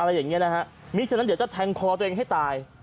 อะไรอย่างเงี้ยนะฮะมีดยาวจะแทงคอตัวเองให้ตาย